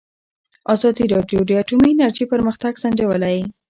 ازادي راډیو د اټومي انرژي پرمختګ سنجولی.